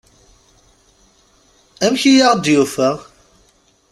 Amek i aɣ-d-yufa?